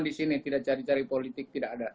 disini tidak cari cari politik